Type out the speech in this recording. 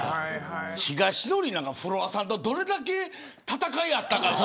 東ノリなんかフロアさんとどれだけ戦い合ったか。